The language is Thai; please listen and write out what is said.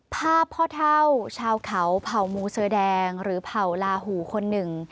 พ่อเท่าชาวเขาเผ่ามูเสือแดงหรือเผ่าลาหูคนหนึ่ง